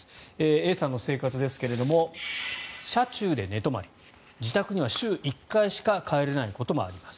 Ａさんの生活ですが車中で寝泊まり自宅には週１回しか帰れないこともあります。